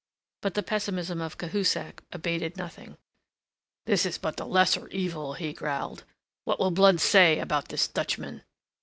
But the pessimism of Cahusac abated nothing. "That is but the lesser evil," he growled. "What will Blood say about this Dutchman?"